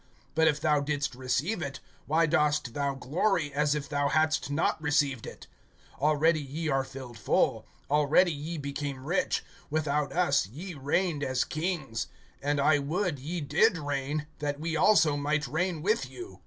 But if thou didst receive it, why dost thou glory, as if thou hadst not received it? (8)Already ye are filled full, already ye became rich, without us ye reigned as kings; and I would ye did reign, that we also might reign with you.